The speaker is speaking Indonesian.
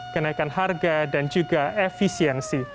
kenaikan harga dan juga efisiensi